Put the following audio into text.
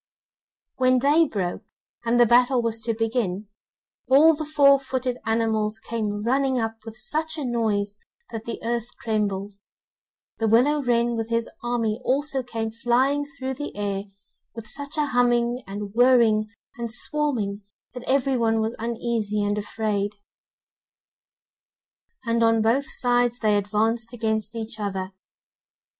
When day broke, and the battle was to begin, all the four footed animals came running up with such a noise that the earth trembled. The willow wren with his army also came flying through the air with such a humming, and whirring, and swarming that every one was uneasy and afraid, and on both sides they advanced against each other.